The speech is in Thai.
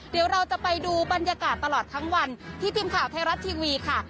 เดี๋ยวเราจะไปดูบรรยากาศตลอดทั้งวันที่ทีมข่าวไทยรัฐทีวีค่ะ